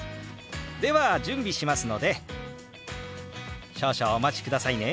では準備しますので少々お待ちくださいね。